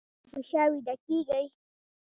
ایا په شا ویده کیږئ؟